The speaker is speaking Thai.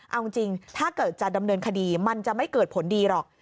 เอาจริงถ้าเกิดจะดำเนินคดีมันจะไม่เกิดผลดีหรอก